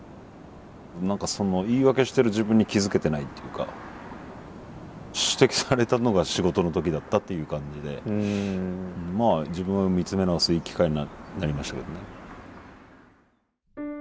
何かその言い訳してる自分に気付けてないっていうか指摘されたのが仕事の時だったっていう感じでまあ自分を見つめ直すいい機会になりましたけどね。